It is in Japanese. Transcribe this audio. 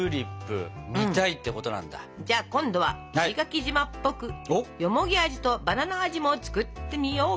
じゃあ今度は石垣島っぽくよもぎ味とバナナ味も作ってみようか！